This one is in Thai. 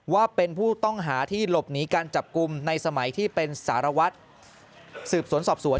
ว่าเป็นผู้ต้องหาที่หลบหนีการจับกลุ่มในสมัยที่เป็นสารวัตรสืบสวนสอบสวน